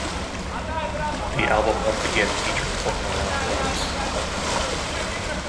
The album once again featured Portnoy on drums.